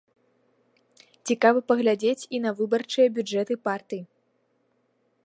Цікава паглядзець і на выбарчыя бюджэты партый.